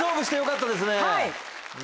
はい。